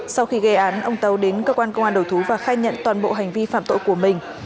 sau khi gây án ông tàu đến cơ quan công an đầu thú và khai nhận toàn bộ hành vi phạm tội của mình